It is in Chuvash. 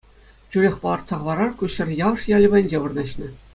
Тӳрех палӑртса хӑварар, ку ҫӗр Явӑш ялӗ патӗнче вырнаҫнӑ.